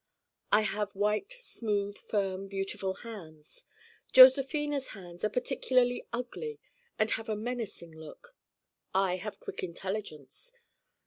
I have white smooth firm beautiful hands. Josephina's hands are particularly ugly and have a menacing look. I have quick intelligence.